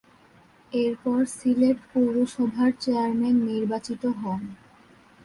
এরপর সিলেট পৌরসভার চেয়ারম্যান নির্বাচিত হন।